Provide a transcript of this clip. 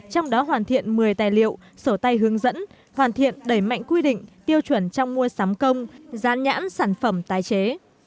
trong đó hoàn thiện một mươi tài liệu sổ tay hướng dẫn hoàn thiện đẩy mạnh quy định tiêu chuẩn trong mua sắm công dán nhãn sản phẩm tái chế